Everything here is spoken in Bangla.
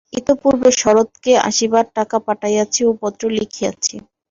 ইতঃপূর্বে শরৎকে আসিবার টাকা পাঠাইয়াছি ও পত্র লিখিয়াছি।